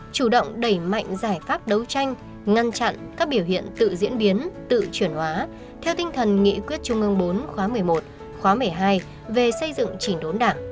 chủ động đẩy mạnh giải pháp đấu tranh ngăn chặn các biểu hiện tự diễn biến tự chuyển hóa theo tinh thần nghị quyết trung ương bốn khóa một mươi một khóa một mươi hai về xây dựng chỉnh đốn đảng